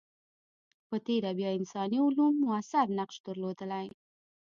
په تېره بیا انساني علوم موثر نقش درلودلی.